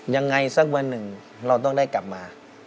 ยังไงสักวันหนึ่งเราต้องได้กลับมา